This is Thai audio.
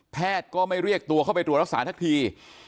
แพทย์ก็ไม่เรียกตัวเข้าไปตรวจรักษาทักที